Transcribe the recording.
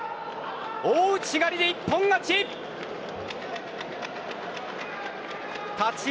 大内刈で一本勝ち。